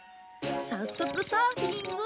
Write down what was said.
早速サーフィンを。